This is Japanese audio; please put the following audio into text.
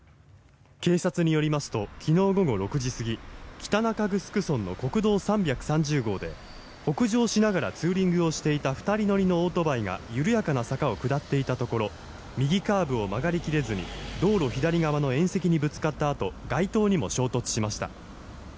警察によりますと昨日午後６時過ぎ北中城村の国道３３０号で北上しながらツーリングをしていた２人乗りのオートバイが緩やかな坂を下っていたところ右カーブを曲がり切れずに道路左側の縁石にぶつかったあと街灯にも衝突しました。